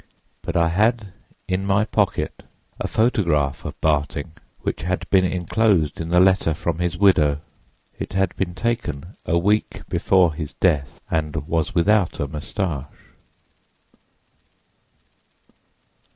But I had in my pocket a photograph of Barting, which had been inclosed in the letter from his widow. It had been taken a week before his death, and was without a mustache."